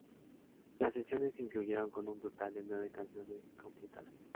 Las sesiones concluyeron con un total de nueve canciones completadas.